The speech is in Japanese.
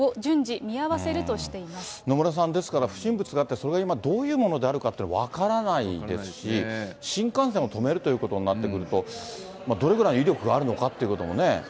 野村さん、ですから不審物があって、それが今、どういうものであるかっていうのが分からないですし、新幹線を止めるということになってくると、どれぐらいの威力があるのかっていうこともね。